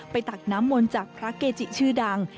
ตักน้ำมนต์จากพระเกจิชื่อดัง